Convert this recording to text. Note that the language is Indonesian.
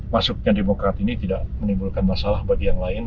masuknya demokrat ini tidak menimbulkan masalah bagi yang lain